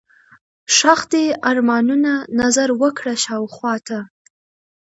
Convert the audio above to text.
ښخ دي ارمانونه، نظر وکړه شاوخواته